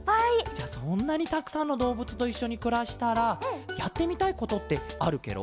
じゃそんなにたくさんのどうぶつといっしょにくらしたらやってみたいことってあるケロ？